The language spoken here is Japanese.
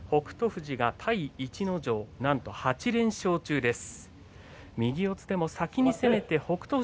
富士が対逸ノ城なんと８連勝中です。